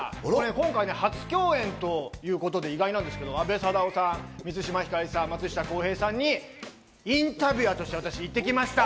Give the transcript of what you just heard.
今回初共演ということで意外なんですけど、阿部サダヲさん、満島ひかりさん、松下洸平さんにインタビュアーとして私、行ってきました。